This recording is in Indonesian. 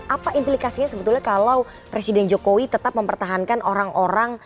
apa implikasinya sebetulnya kalau presiden jokowi tetap mempertahankan orang orang